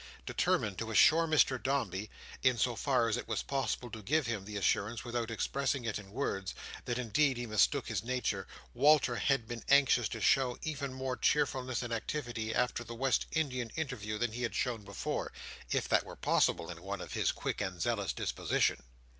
Determined to assure Mr Dombey, in so far as it was possible to give him the assurance without expressing it in words, that indeed he mistook his nature, Walter had been anxious to show even more cheerfulness and activity after the West Indian interview than he had shown before: if that were possible, in one of his quick and zealous disposition.